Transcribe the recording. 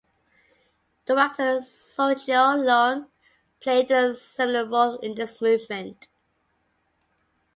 Director Sergio Leone played a seminal role in this movement.